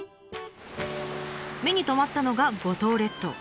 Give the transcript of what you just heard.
目に留まったのが五島列島。